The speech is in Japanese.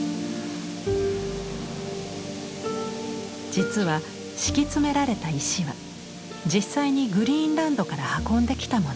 実は敷き詰められた石は実際にグリーンランドから運んできたもの。